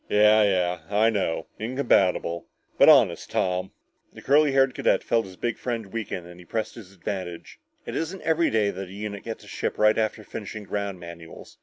"Yeah yeah I know incompatible but honest, Tom " The curly haired cadet felt his big friend weaken and he pressed his advantage. "It isn't every day that a unit gets a ship right after finishing ground manuals.